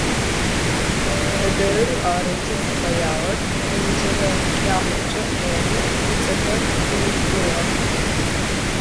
Къыдырыр арыти зыфэягъэр, ыужырэ лъакъомкӀэ къеуи, ыцэхэр Ӏуиутыгъэх.